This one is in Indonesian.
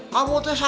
kelak kelak kelak